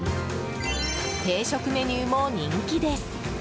定食メニューも人気です。